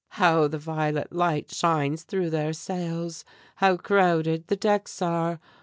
"How the violet light shines through their sails! How crowded the decks are!